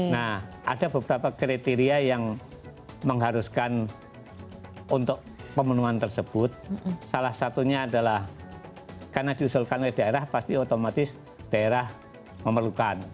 nah ada beberapa kriteria yang mengharuskan untuk pemenuhan tersebut salah satunya adalah karena diusulkan oleh daerah pasti otomatis daerah memerlukan